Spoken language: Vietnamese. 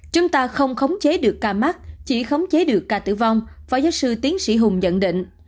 chúng ta không khống chế được ca mắc chỉ khống chế được ca tử vong phó giáo sư tiến sĩ hùng nhận định